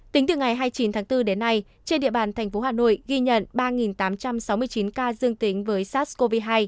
tính từ ngày hai mươi chín tháng bốn đến nay trên địa bàn thành phố hà nội ghi nhận ba tám trăm sáu mươi chín ca dương tính với sars cov hai